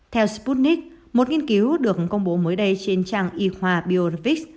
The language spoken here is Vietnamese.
theo sputnik một nghiên cứu được công bố mới đây trên trang y khoa bionics